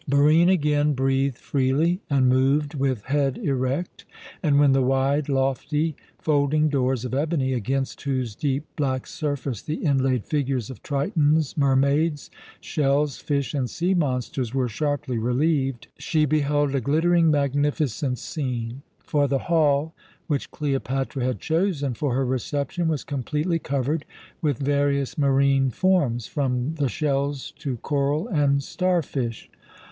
Barine again breathed freely and moved with head erect; and when the wide, lofty folding doors of ebony, against whose deep black surface the inlaid figures of Tritons, mermaids, shells, fish, and sea monsters were sharply relieved, she beheld a glittering, magnificent scene, for the hall which Cleopatra had chosen for her reception was completely covered with various marine forms, from the shells to coral and starfish.